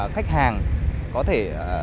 khách hàng có thể